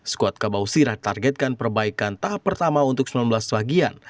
skuad kabau sirah ditargetkan perbaikan tahap pertama untuk sembilan belas bagian